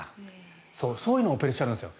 そういうのもプレッシャーなんですよ。